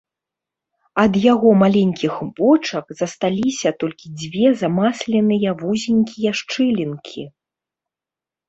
Ад яго маленькіх вочак засталіся толькі дзве замасленыя вузенькія шчылінкі.